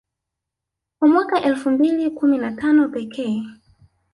Kwa mwaka elfu mbili kumi na tano pekee